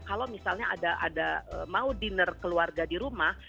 kalau misalnya ada mau dinner keluarga di rumah